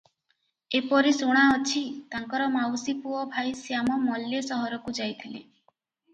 ଏପରି ଶୁଣାଅଛି, ତାଙ୍କର ମାଉସି ପୁଅ ଭାଇ ଶ୍ୟାମ ମଲ୍ଲେ ସହରକୁ ଯାଇଥିଲେ